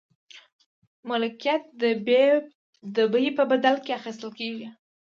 ملکیت د بیې په بدل کې اخیستل کیږي.